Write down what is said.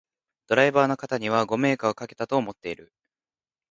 ドライバーの方にはご迷惑をかけたと思っている